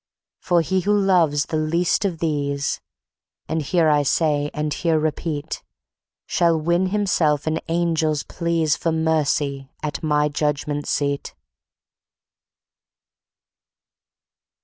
For he who loves the least of these (And here I say and here repeat) Shall win himself an angel's pleas For Mercy at My Judgment Seat."